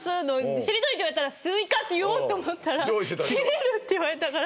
「しりとり」って言われたら「スイカ」って言おうと思ったら「キレる」って言われたから。